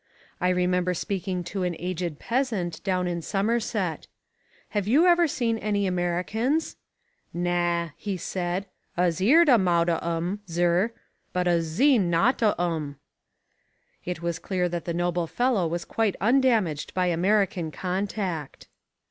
I remember speaking to an aged peasant down in Somerset. "Have you ever seen any Americans?" "Nah," he said, "uz eeard a mowt o' 'em, zir, but uz zeen nowt o' 'em." It was clear that the noble fellow was quite undamaged by American contact.